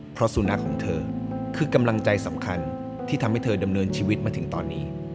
เพราะสุนัขของเธอคือกำลังใจสำคัญที่ทำให้เธอดำเนินชีวิตมาถึงตอนนี้